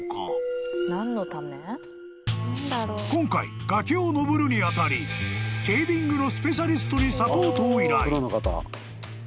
［今回崖をのぼるにあたりケイビングのスペシャリストにサポートを依頼］